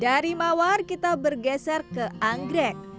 dari mawar kita bergeser ke anggrek